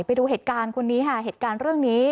ไปดูเหตุการณ์คนนี้ค่ะเหตุการณ์เรื่องนี้